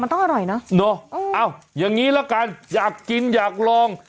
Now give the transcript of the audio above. มันต้องอร่อยเนอะเนอะเอาอย่างนี้ละกันอยากกินอยากลอง